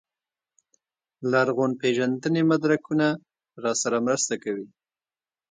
لرغونپېژندنې مدرکونه راسره مرسته کوي.